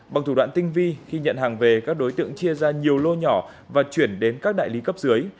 bằng thủ đoạn tinh vi khi nhận hàng về các đối tượng chia ra nhiều lô nhỏ và chuyển đến các đại lý cấp dưới